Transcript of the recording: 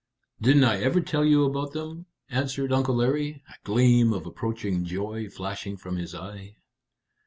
"Didn't I ever tell you about them?" answered Uncle Larry, a gleam of approaching joy flashing from his eye.